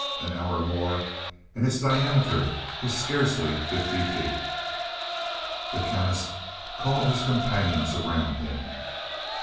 An hour more and its diameter was scarcely fifty feet. The Chemist called his companions around him.